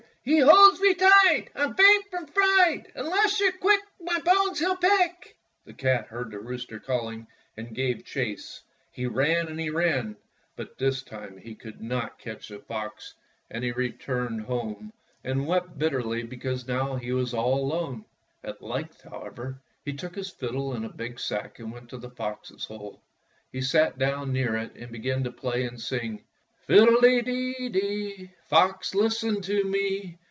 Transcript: He holds me tight — I 'm faint from fright. Unless you 're quick My bones he'll pick!" The cat heard the rooster calling and gave chase. He ran and .he ran, but this time he could not catch the fox, and he returned 183 Fairy Tale Foxes home and wept bitterly because now he was all alone. At length, however, he took his fiddle and a big sack and went to the fox's hole. He sat down near it and began to play and sing: — "Fiddle de dee, Fox, listen to me!